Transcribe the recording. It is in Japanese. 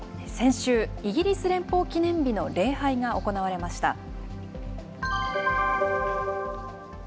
先週、イギリス連邦記念日の礼拝が行われました。